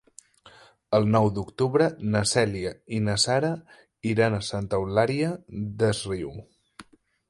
El nou d'octubre na Cèlia i na Sara iran a Santa Eulària des Riu.